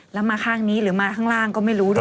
แล้วมาข้างนี้หรือมาข้างล่างก็ไม่รู้ด้วย